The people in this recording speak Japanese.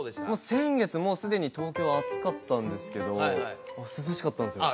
先月もうすでに東京は暑かったんですけど涼しかったんですよ